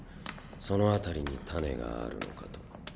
そのあたりに種があるのかと。